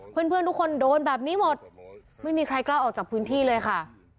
เพื่อนทุกคนโดนแบบนี้หมดไม่มีใครกล้าออกจากพื้นที่เลยค่ะ